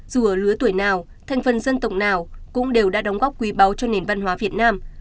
dù ở lứa tuổi nào thành phần dân tộc nào cũng đều đã đóng góp quý báu cho nền văn hóa việt nam